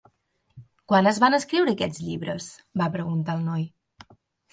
"Quan es van escriure aquests llibres?" va preguntar el noi.